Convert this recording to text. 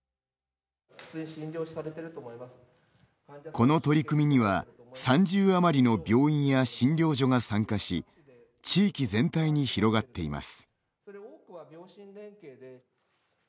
この取り組みには３０あまりの病院や診療所が参加し地域全体に広がっています。